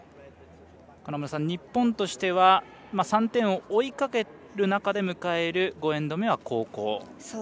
日本としては３点を追いかける中で迎える５エンド目は後攻。